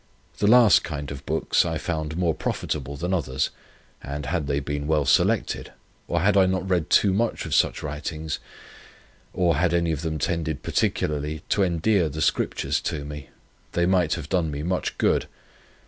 The last kind of books I found more profitable than others, and had they been well selected, or had I not read too much of such writings, or had any of them tended particularly to endear the Scriptures to me, they might have done me much good.